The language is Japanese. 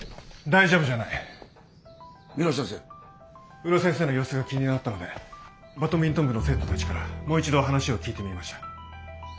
宇野先生の様子が気になったのでバドミントン部の生徒たちからもう一度話を聞いてみました。